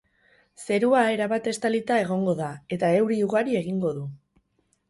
Zerua erabat estalita egongo da, eta euri ugari egingo du.